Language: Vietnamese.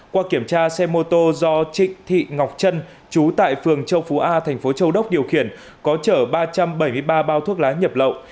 qua kiểm tra xe mô tô do trịnh thị ngọc trân chú tại phường châu phú a thành phố châu đốc điều khiển có chở ba trăm bảy mươi ba bao thuốc lá nhập lậu